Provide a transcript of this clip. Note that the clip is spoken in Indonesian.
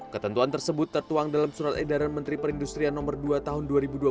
ketentuan tersebut tertuang dalam surat edaran menteri perindustrian no dua tahun dua ribu dua puluh